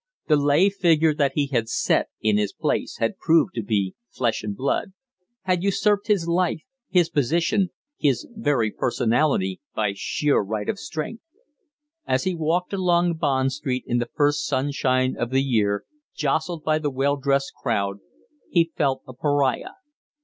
The lay figure that he had set in his place had proved to be flesh and blood had usurped his life, his position, his very personality, by sheer right of strength. As he walked along Bond Street in the first sunshine of the year, jostled by the well dressed crowd, he felt a pariah.